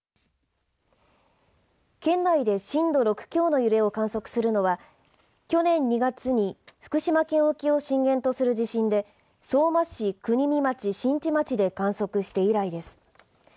県内で震度６強の揺れを観測するのは去年２月に福島県沖を震源とする地震で相馬市、国見町、新地町で観測して以来です。